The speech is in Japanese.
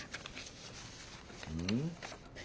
うん？